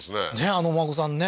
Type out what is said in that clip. あのお孫さんね